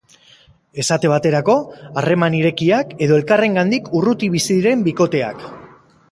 Esate baterako, harreman irekiak, edo elkarrengandik urruti bizi diren bikoteak.